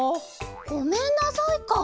「ごめんなさい」か！